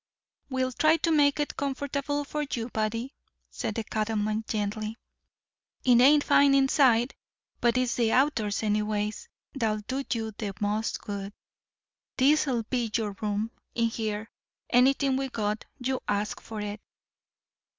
"We'll try to make it comfortable for you, buddy," said the cattleman gently. "It ain't fine inside; but it's the outdoors, anyway, that'll do you the most good. This'll be your room, in here. Anything we got, you ask for it."